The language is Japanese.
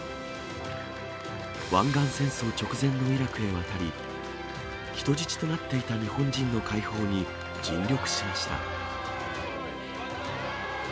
湾岸戦争直前のイラクへ渡り、人質となっていた日本人の解放に尽力しました。